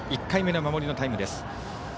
１回目の守りのタイムです。